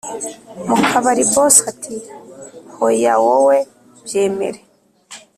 mukabari” boss ati”hoya wowe byemere